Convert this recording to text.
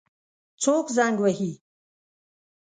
څوک زنګ وهي؟